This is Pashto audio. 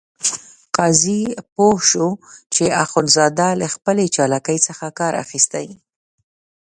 قاضي پوه شو چې اخندزاده له خپلې چالاکۍ څخه کار اخیستی.